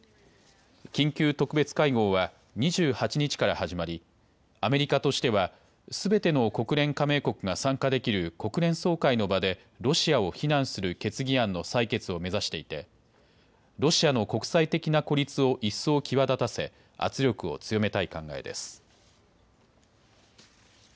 緊急特別会合は２８日から始まりアメリカとしてはすべての国連加盟国が参加できる国連総会の場でロシアを非難する決議案の採決を目指していてロシアの国際的な孤立を一層際立たせ圧力を強めたい考えです。